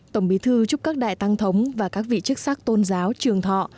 tổng bí thư chúc các đại tăng thống và các vị chức sắc tôn giáo trường thọ